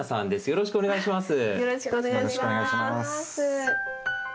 よろしくお願いします。